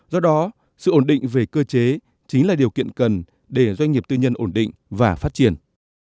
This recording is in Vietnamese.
do đó sự ổn định về cơ chế chính là điều kiện cần để doanh nghiệp tư nhân ổn định và phát triển